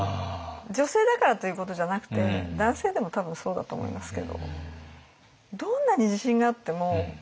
女性だからということじゃなくて男性でも多分そうだと思いますけど。